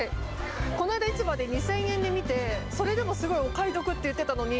この間、市場で２０００円で見てそれでもすごいお買い得って言っていたのに。